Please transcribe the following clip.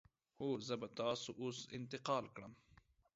هو، زه به تاسو اوس انتقال کړم.